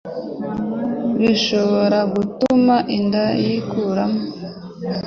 bishobora gutuma inda yikuramo